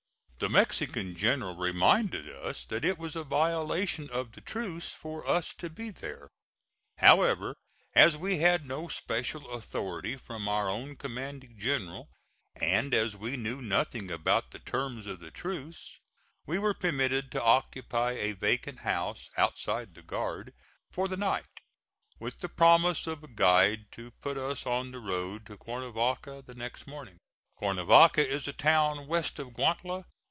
The Mexican general reminded us that it was a violation of the truce for us to be there. However, as we had no special authority from our own commanding general, and as we knew nothing about the terms of the truce, we were permitted to occupy a vacant house outside the guard for the night, with the promise of a guide to put us on the road to Cuernavaca the next morning. Cuernavaca is a town west of Guantla.